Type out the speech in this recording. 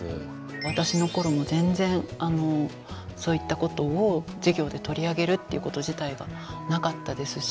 私の頃も全然そういったことを授業で取り上げるということ自体がなかったですし。